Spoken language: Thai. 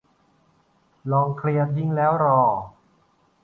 ลองเคลียร์ทิ้งแล้วรอ